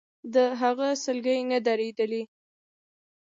د هغه سلګۍ نه درېدلې.